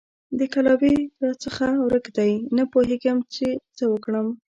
د کلاوې سر راڅخه ورک دی؛ نه پوهېږم چې څه وکړم؟!